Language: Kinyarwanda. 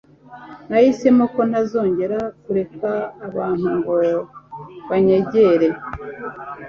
Nahisemo ko ntazongera kureka abantu ngo banyegere